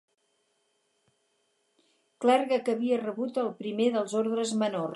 Clergue que havia rebut el primer dels ordes menors.